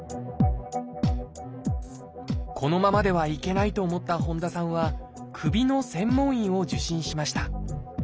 このままではいけないと思った本多さんは首の専門医を受診しました。